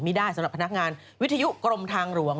ได้สำหรับพนักงานวิทยุกรมทางหลวง